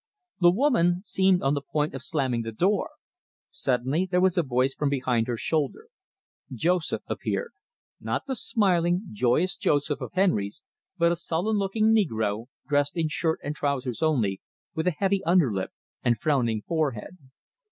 The woman seemed on the point of slamming the door. Suddenly there was a voice from behind her shoulder. Joseph appeared not the smiling, joyous Joseph of Henry's but a sullen looking negro, dressed in shirt and trousers only, with a heavy under lip and frowning forehead.